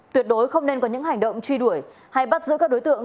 tuyệt đối không nên có những hành động truy đuổi hay bắt giữ các đối tượng